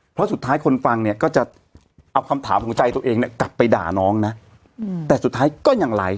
เพราะสุดท้ายคนฟังเนี่ยก็จะเอาคำถามของใจตัวเองเนี่ยกลับไปด่าน้องนะแต่สุดท้ายก็ยังไลฟ์